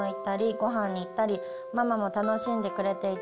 ごはんに行ったりママも楽しんでくれていて